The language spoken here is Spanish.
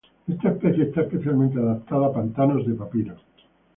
Esta especie está especialmente adaptada a pantanos de papiros.